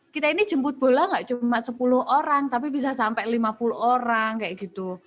kita ini jemput bola tidak cuma sepuluh orang tapi bisa sampai lima puluh orang